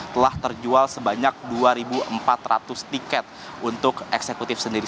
telah terjual sebanyak dua empat ratus tiket untuk eksekutif sendiri